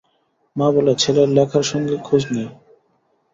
মা বলে, ছেলের লেখার সঙ্গে খোঁজ নেই।